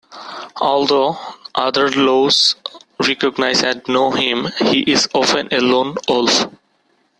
Although other Loas recognize and know him, he is often a Lone Wolf.